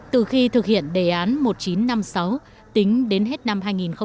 từ khi thực hiện đề án một nghìn chín trăm năm mươi sáu tính đến hết năm hai nghìn một mươi bảy